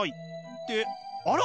ってあら？